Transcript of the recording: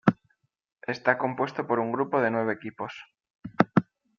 Está compuesto por un grupo de nueve equipos.